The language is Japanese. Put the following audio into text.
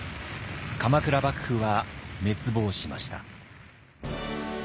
鎌倉幕府は滅亡しました。